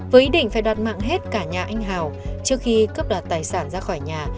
với ý định phải đoạt mạng hết cả nhà anh hào trước khi cướp đoạt tài sản ra khỏi nhà